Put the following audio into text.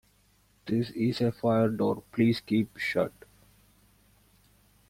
This is a Fire door, please keep shut.